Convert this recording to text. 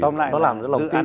nó làm rất là lòng tin